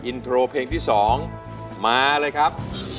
อินโทรเพลงที่๒มาเลยครับ